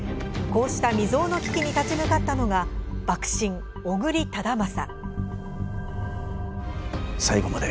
こうした未曽有の危機に立ち向かったのが幕臣、小栗忠順。